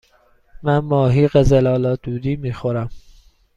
من ماهی قزل آلا دودی می خورم.